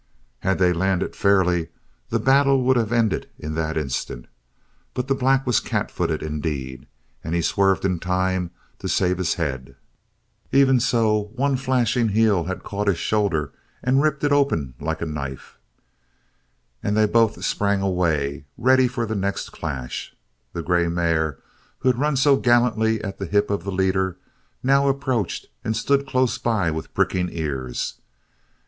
Had they landed fairly the battle would have ended in that instant, but the black was cat footed indeed, and he swerved in time to save his head. Even so one flashing heel had caught his shoulder and ripped it open like a knife. And they both sprang away, ready for the next clash. The grey mare who had run so gallantly at the hip of the leader now approached and stood close by with pricking ears.